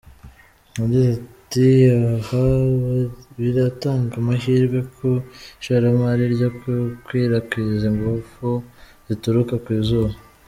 Yagize ati “Aha biratanga amahirwe ku ishoramari ryo gukwirakwiza ingufu zituruka ku zuba.